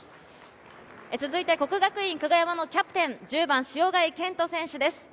國學院久我山のキャプテン、１０番・塩貝健人選手です。